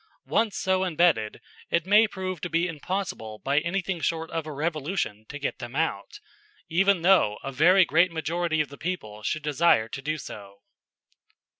Once so imbedded, it may prove to be impossible by anything short of a revolution to get them out, even though a very great majority of the people should desire to do so.